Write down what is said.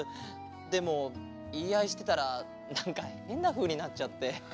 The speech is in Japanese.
でもいいあいしてたらなんかへんなふうになっちゃって。